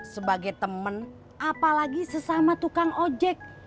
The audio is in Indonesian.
sebagai teman apalagi sesama tukang ojek